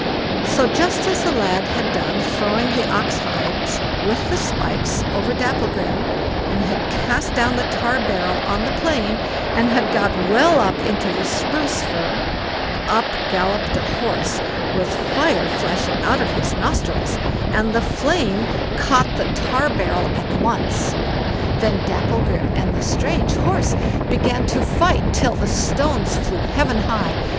So just as the lad had done throwing the ox hides, with the spikes, over Dapplegrim, and had cast down the tar barrel on the plain, and had got well up into the spruce fir, up galloped a horse, with fire flashing out of his nostrils, and the flame caught the tar barrel at once. Then Dapplegrim and the strange horse began to fight till the stones flew heaven high.